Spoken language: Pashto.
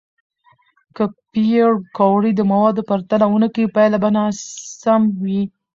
که پېیر کوري د موادو پرتله ونه کړي، پایله به ناسم وي.